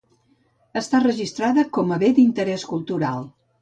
Està registrada com a Bé d'Interès Cultural.